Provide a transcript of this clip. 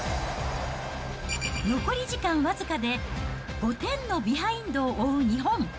残り時間僅かで、５点のビハインドを追う日本。